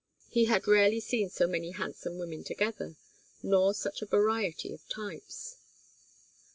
And he had rarely seen so many handsome women together, nor such a variety of types.